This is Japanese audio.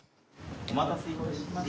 お待たせ致しました。